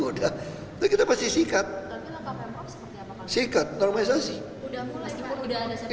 udah mulai meskipun udah ada satu sikat